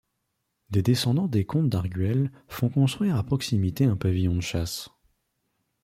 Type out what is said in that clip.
Des descendants des comtes d'Arguel font construire à proximité un pavillon de chasse.